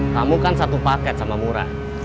kamu kan satu paket sama mura